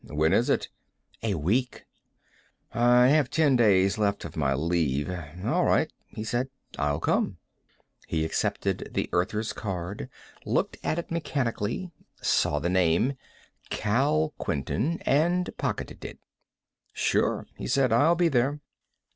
"When is it?" "A week." "I have ten days left of my leave. All right," he said. "I'll come." He accepted the Earther's card, looked at it mechanically, saw the name Kal Quinton and pocketed it. "Sure," he said. "I'll be there."